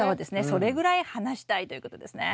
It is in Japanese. それぐらい離したいということですね。